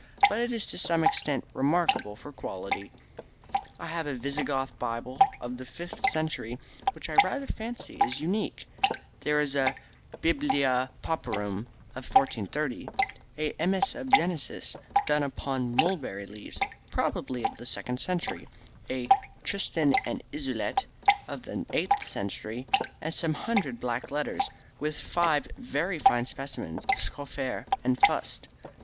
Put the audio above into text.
But it is to some extent remarkable for quality. I have a Visigoth Bible of the fifth century, which I rather fancy is unique; there is a 'Biblia Pauperum' of 1430; a MS. of Genesis done upon mulberry leaves, probably of the second century; a 'Tristan and Iseult' of the eighth century; and some hundred black letters, with five very fine specimens of Schoffer and Fust.